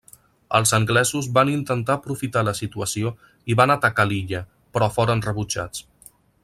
Els anglesos van intentar aprofitar la situació i van atacar l'illa, però foren rebutjats.